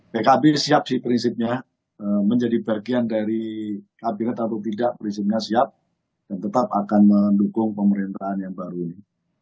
pkb siap sih prinsipnya menjadi bagian dari kabinet atau tidak prinsipnya siap dan tetap akan mendukung pemerintahan yang baru ini